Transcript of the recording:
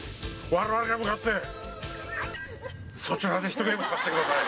我々が向かってそちらで１ゲームさせてください